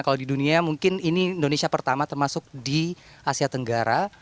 kalau di dunia mungkin ini indonesia pertama termasuk di asia tenggara